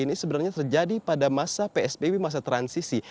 ini sebenarnya terjadi pada masa psbb masa transisi